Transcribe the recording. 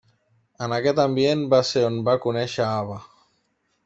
En aquest ambient va ser on va conèixer Ava.